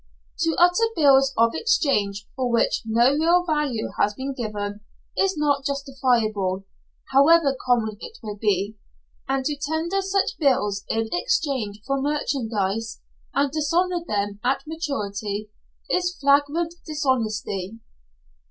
To utter bills of exchange for which no real value has been given is not justifiable, however common it may be, and to tender such bills in exchange for merchandise, and dishonour them at maturity, is flagrant dishonesty.